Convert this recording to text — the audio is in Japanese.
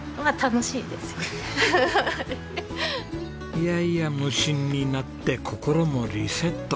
いやいや無心になって心もリセット。